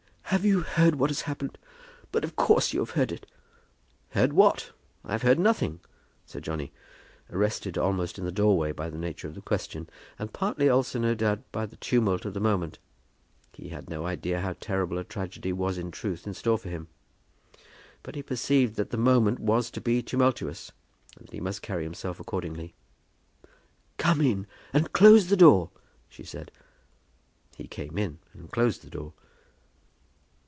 "Have you heard what has happened? But of course you have heard it." "Heard what? I have heard nothing," said Johnny, arrested almost in the doorway by the nature of the question, and partly also, no doubt, by the tumult of the moment. He had no idea how terrible a tragedy was in truth in store for him; but he perceived that the moment was to be tumultuous, and that he must carry himself accordingly. "Come in, and close the door," she said. He came in and closed the door.